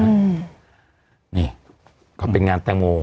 นี่ก็เป็นงานแตงโม